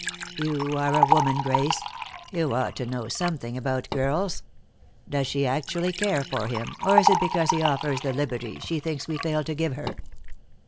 "You are a woman, Grace. You ought to know something about girls. Does she actually care for him, or is it because he offers the liberty she thinks we fail to give her?